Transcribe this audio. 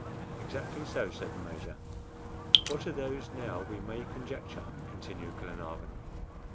"Exactly so," said the Major. "What are those now we may conjecture?" continued Glenarvan.